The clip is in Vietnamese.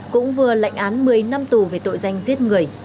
cũng vừa lệnh án một mươi năm tù về tội danh giết người